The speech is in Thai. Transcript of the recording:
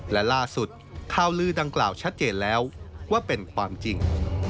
และล่าสุดข่าวลือดังกล่าวชัดเจนแล้วว่าเป็นความจริง